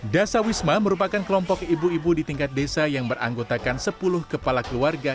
dasar wisma merupakan kelompok ibu ibu di tingkat desa yang beranggotakan sepuluh kepala keluarga